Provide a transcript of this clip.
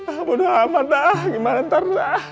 ampun lah amat lah gimana entar